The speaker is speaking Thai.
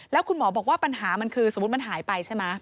แล้วคุณหมอบอกว่าปัญหามันคือสมมุติมันหายไปใช่ไหม